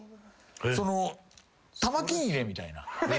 タマキン入れみたいな。